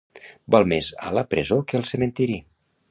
Val més a la presó que al cementiri.